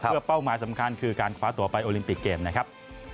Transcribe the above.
เพื่อเป้าหมายสำคัญคือการคว้าตัวไปโอลิมปิกเกมนะครับ